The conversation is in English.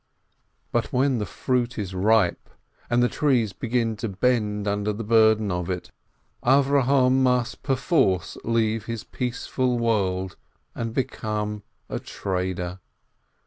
But when the fruit is ripe, and the trees begin to bend under the burden of it, Avrohom must perforce leave his peaceful world, and become a trader.